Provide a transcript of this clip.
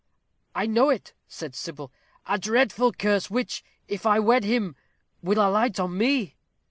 "I know it," said Sybil; "a dreadful curse, which, if I wed him, will alight on me."